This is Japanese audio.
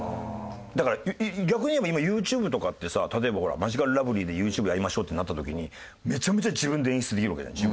だから逆に言えば今ＹｏｕＴｕｂｅとかってさ例えばほらマヂカルラブリーでＹｏｕＴｕｂｅやりましょうってなった時にめちゃめちゃ自分で演出できるわけじゃない。